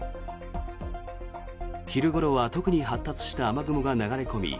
昼ごろは特に発達した雨雲が流れ込み